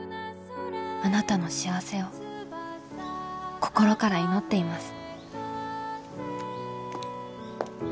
あなたの幸せを心から祈っています」。